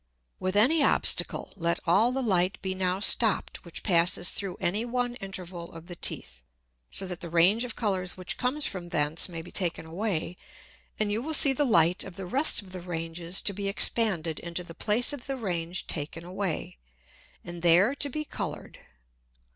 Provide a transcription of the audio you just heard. With any Obstacle, let all the Light be now stopp'd which passes through any one Interval of the Teeth, so that the Range of Colours which comes from thence may be taken away, and you will see the Light of the rest of the Ranges to be expanded into the Place of the Range taken away, and there to be coloured.